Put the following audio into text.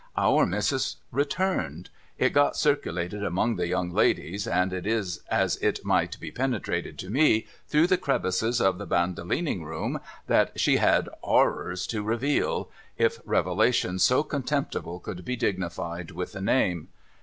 Our Missis returned. It got circulated among the young ladies, and it as it might be penetrated to me through the crevices of the Bandolining Room, that she had Orrors to reveal, if revelations so contemptible could be dignified with the name.